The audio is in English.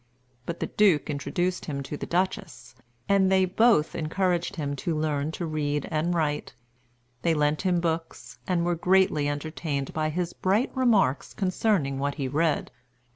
But the Duke introduced him to the Duchess, and they both encouraged him to learn to read and write. They lent him books, and were greatly entertained by his bright remarks concerning what he read.